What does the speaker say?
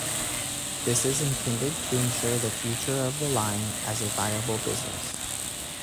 This is intended to ensure the future of the line as a viable business.